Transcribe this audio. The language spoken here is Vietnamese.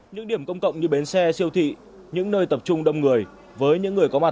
những điểm công cộng như bến xe siêu thị những nơi tập trung đông người với những người có mặt